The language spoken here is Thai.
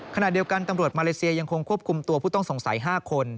ขณะเดียวกันตำรวจมาเลเซียยังคงควบคุมตัวผู้ต้องสงสัย๕คน